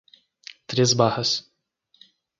Três Barras